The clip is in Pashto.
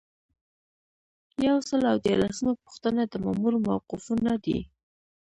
یو سل او دیارلسمه پوښتنه د مامور موقفونه دي.